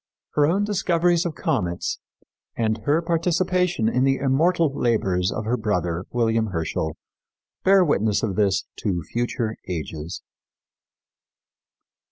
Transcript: Her own discoveries of comets and her participation in the immortal labors of her brother, William Herschel, bear witness of this to future ages."